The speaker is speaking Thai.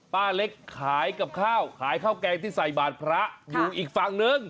ป้าเล็กขายกับข้าวขายข้าวแกงที่ใส่บาทพระอยู่อีกฝั่งนึง